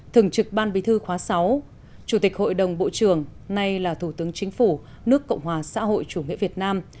thường trực ban bí thư khóa sáu chủ tịch hội đồng bộ trưởng nay là thủ tướng chính phủ nước cộng hòa xã hội chủ nghĩa việt nam